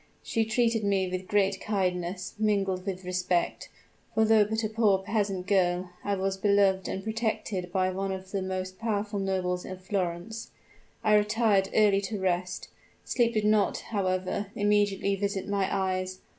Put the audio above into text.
She treated me with great kindness, mingled with respect; for though but a poor peasant girl, I was beloved and protected by one of the most powerful nobles of Florence. I retired early to rest: sleep did not, however, immediately visit my eyes!